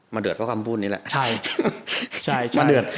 มาเดือดเพราะคำพูดนี้แหละ